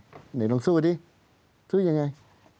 ลุงเอี่ยมอยากให้อธิบดีช่วยอะไรไหม